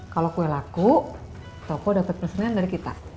kalau kue laku toko dapat peresmian dari kita